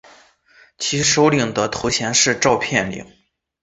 其首领的头衔是召片领。